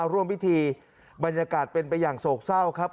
ร่วมพิธีบรรยากาศเป็นไปอย่างโศกเศร้าครับ